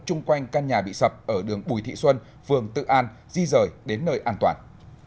chung quanh căn nhà bị sập ở đường bùi thị xuân phường tự an di rời đến nơi an toàn